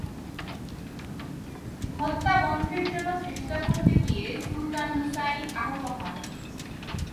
হত্যা বন্ধের জন্য চেষ্টা করতে গিয়ে সুলতান হুসাইন আহত হন।